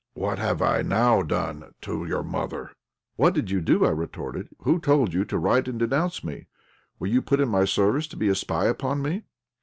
What have I now done to your mother?" "What did you do?" I retorted. "Who told you to write and denounce me? Were you put in my service to be a spy upon me?"